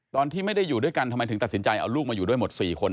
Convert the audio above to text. ตอนที่ไม่ได้อยู่ด้วยกันทำไมถึงตัดสินใจเอาลูกมาอยู่ด้วยหมด๔คน